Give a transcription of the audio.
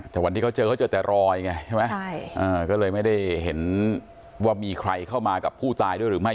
แต่วันที่เขาเจอเขาเจอแต่รอยไงใช่ไหมก็เลยไม่ได้เห็นว่ามีใครเข้ามากับผู้ตายด้วยหรือไม่